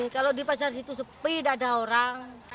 kalau di pasar situ sepi tidak ada orang